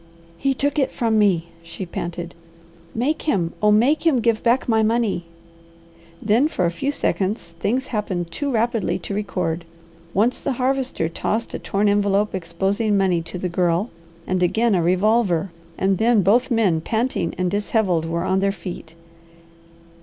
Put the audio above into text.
"He took it from me!" she panted. "Make him, oh make him give back my money!" Then for a few seconds things happened too rapidly to record. Once the Harvester tossed a torn envelope exposing money to the Girl, and again a revolver, and then both men panting and dishevelled were on their feet.